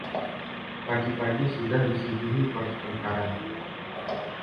Pagi-pagi sudah disuguhi pertengkaran.